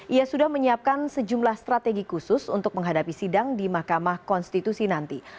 ia sudah menyiapkan sejumlah strategi khusus untuk menghadapi sidang di mahkamah konstitusi nanti